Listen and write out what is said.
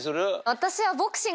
私は。